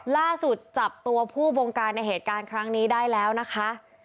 ล่าสุดจับตัวผู้บงการในเหตุการณ์ครั้งนี้ได้แล้วนะคะ